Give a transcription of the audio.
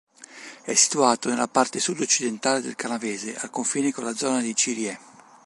È situato nella parte sud-occidentale del Canavese, al confine con la zona di Cirié.